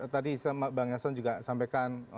tadi bang yasson juga sampaikan